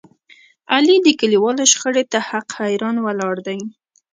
علي د کلیوالو شخړې ته حق حیران ولاړ دی.